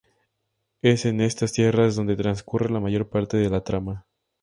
Es en estas tierras donde transcurre la mayor parte de la trama.